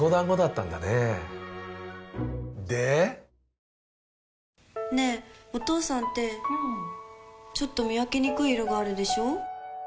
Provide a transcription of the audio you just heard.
ちょっと１３名ほど、ねぇ、お父さんってうんちょっと見分けにくい色があるでしょ。